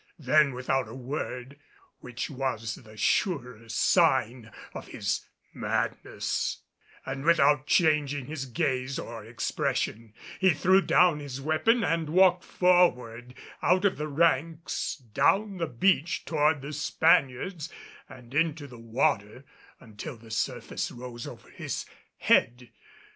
Then without a word which was the surer sign of his madness and without changing his gaze or expression, he threw down his weapon and walked forward out of the ranks, down the beach toward the Spaniards, and into the water until the surface rose over his head.